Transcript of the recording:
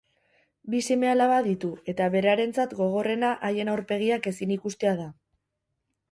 Bi seme-alaba ditu, eta berarentzat gogorrena haien aurpegiak ezin ikustea da.